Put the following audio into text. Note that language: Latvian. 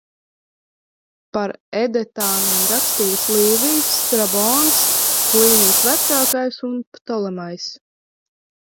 Par edetāniem rakstīja Līvijs, Strabons, Plīnijs Vecākais un Ptolemajs.